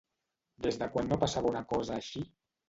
Des de quan no passava una cosa així?